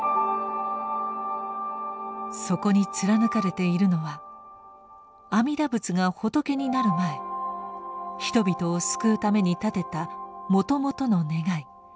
そこに貫かれているのは阿弥陀仏が仏になる前人々を救うために立てたもともとの願い